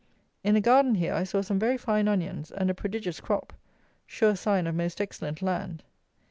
In a garden here I saw some very fine onions, and a prodigious crop; sure sign of most excellent land.